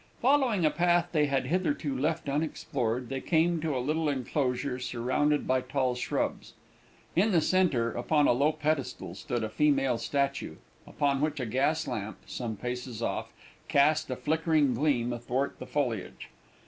Following a path they had hitherto left unexplored, they came to a little enclosure surrounded by tall shrubs; in the centre, upon a low pedestal, stood a female statue, upon which a gas lamp, some paces off, cast a flickering gleam athwart the foliage.